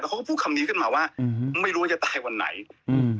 เขาก็พูดคำนี้ขึ้นมาว่าอืมไม่รู้ว่าจะตายวันไหนอืม